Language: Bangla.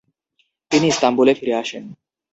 তিনি ইস্তাম্বুলে ফিরে আসেন।